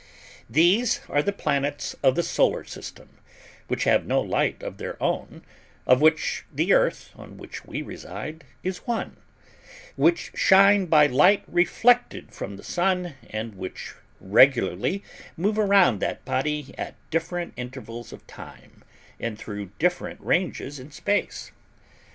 These are the planets of the SOLAR SYSTEM, which have no light of their own of which the Earth, on which we reside, is one which shine by light reflected from the Sun and which regularly move around that body at different intervals of time and through different ranges in space.